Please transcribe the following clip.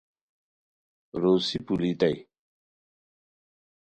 روسی پولتائی